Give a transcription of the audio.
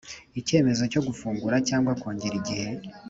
Icyemezo cyo gufungura cyangwa kongera igihe